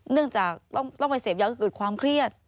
เนื่องจากต้องไปเสพยาก็เกิดความเครียด